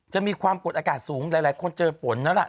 มีความกดอากาศสูงหลายคนเจอฝนแล้วล่ะ